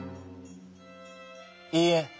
「いいえ。